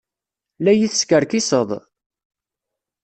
La yi-teskerkiseḍ?